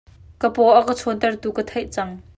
Ka paw a ka chon ter tu ka theih cang.